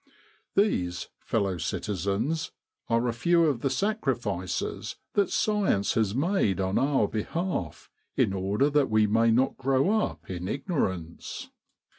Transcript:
These, fellow citizens, are a few of the sacrifices that science has made on our behalf in order that we may not grow up in ignorance.